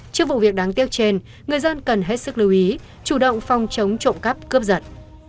trước vụ việc đáng tiếc trên người dân cần hết sức lưu ý chủ động phòng chống trộm cắp cướp giật